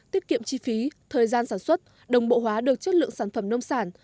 tiết kiệm chi phí thời gian sản xuất đồng bộ hóa được chất lượng sản phẩm nông sản